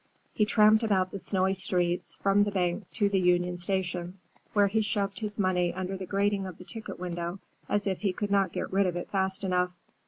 He tramped about the snowy streets, from the bank to the Union Station, where he shoved his money under the grating of the ticket window as if he could not get rid of it fast enough.